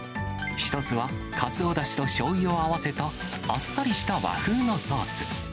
１つは、かつおだしとしょうゆを合わせた、あっさりした和風のソース。